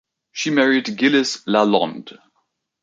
She married Gilles Lalonde.